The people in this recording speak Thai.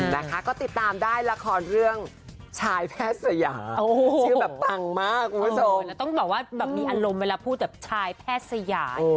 นะคะก็ติดตามได้ละครเรื่องชายแพทย์สยา